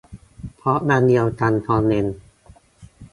เพราะวันเดียวกันตอนเย็น